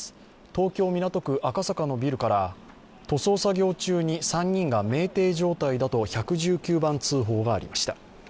東京・港区赤坂のビルから塗装作業中に３人が酩酊状態だと１１９番通報がありました。